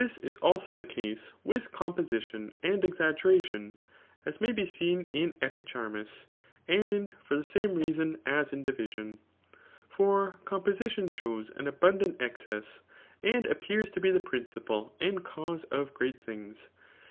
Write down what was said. TUsid adso the case vnA compoaMoa and exaffffonAm^* as may be seen in Epicharmus; and for the same rcasoi^ as in diTision. For composidon shows an abttadant es^ ce68» and appears to be the principle and cause o£ gresfc things.